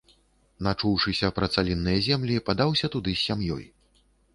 Начуўшыся пра цалінныя землі, падаўся туды з сям'ёй.